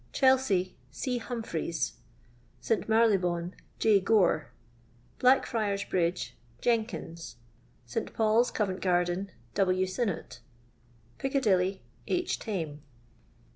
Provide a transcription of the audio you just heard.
Chelsea. C. Humphries. St. Marylcbone J. Gore. Black fnars bridge Jenkins. St. Paul's. Covent gardcu.. W. Sinnott. Piccatlilly 11. Tame.